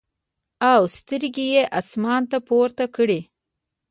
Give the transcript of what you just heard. او سترګې ئې اسمان ته پورته کړې ـ